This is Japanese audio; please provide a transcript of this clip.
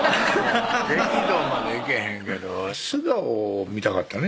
激怒までいけへんけど素顔見たかったね